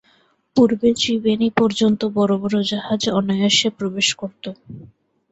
পূর্বে ত্রিবেণী পর্যন্ত বড় বড় জাহাজ অনায়াসে প্রবেশ করত।